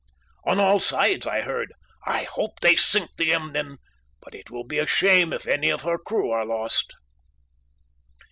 On all sides you heard 'I hope they sink the Emden, but it will be a shame if any of her crew are lost.'